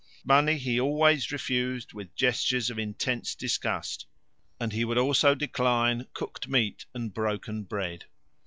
Money he always refused with gestures of intense disgust, and he would also decline cooked meat and broken bread.